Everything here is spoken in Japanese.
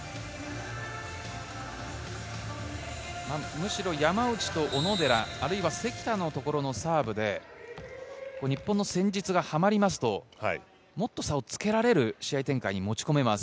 むしろ山内と小野寺あるいは関田のところのサーブで、日本の戦術がはまりますと、もっと差をつけられる試合展開に持ち込めます。